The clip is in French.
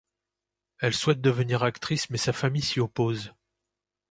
Elle souhaite devenir actrice mais sa famille s'y oppose.